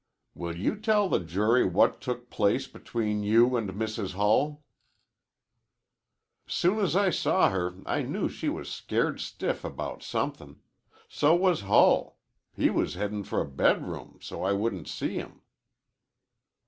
"Will you tell the jury what took place between you and Mrs. Hull?" "'Soon as I saw her I knew she was scared stiff about somethin'. So was Hull. He was headin' for a bedroom, so I wouldn't see him."